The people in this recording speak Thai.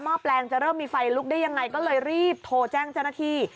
แปลงจะเริ่มมีไฟลุกได้ยังไงก็เลยรีบโทรแจ้งเจ้าหน้าที่